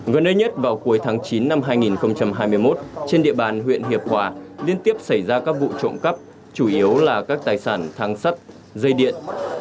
gần nơi nhất vào cuối tháng chín năm hai nghìn hai mươi một trên địa bàn huyện hiệp hòa liên tiếp xảy ra các vụ trộm cắp chủ yếu là các tài sản tháng sắt dây điện